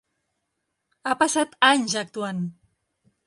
Ha passat anys actuant.